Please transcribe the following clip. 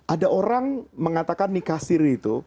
ada orang mengatakan nikah siri itu